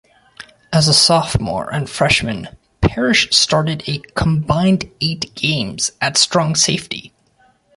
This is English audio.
As a sophomore and freshman, Parrish started a combined eight games at strong safety.